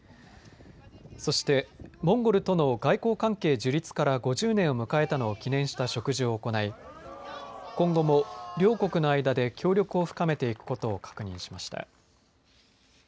そして、モンゴルとの外交関係樹立から５０年を迎えたのを記念した植樹を行い今後も両国の間で協力を深めていくことを確認しました。